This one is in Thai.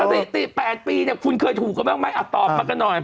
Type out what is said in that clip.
สถิติ๘ปีเนี่ยคุณเคยถูกกันบ้างไหมตอบมากันหน่อย